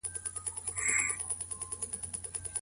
ایا له دې کار سره د ډېرو بدو عواقبو مخنيوی کېږي؟